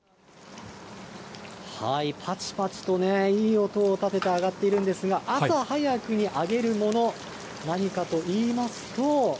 ぱちぱちとね、いい音を立てて揚がっているんですが、朝早くに揚げるもの、何かといいますと。